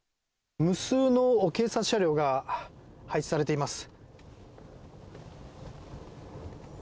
無数の警備車両が配置されています。